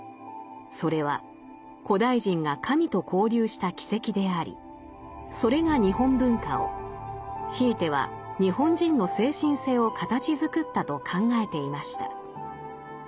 それは古代人が神と交流した軌跡でありそれが日本文化をひいては日本人の精神性を形づくったと考えていました。